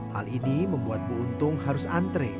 hal ini membuat bu untung harus antre